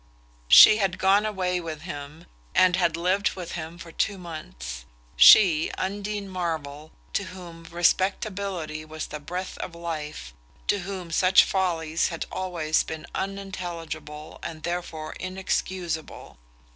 She had gone away with him, and had lived with him for two months: she, Undine Marvell, to whom respectability was the breath of life, to whom such follies had always been unintelligible and therefore inexcusable.